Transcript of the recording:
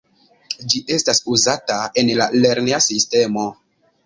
Ĝi estas uzata en la lerneja sistemo.